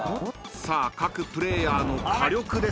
［さあ各プレーヤーの火力ですが］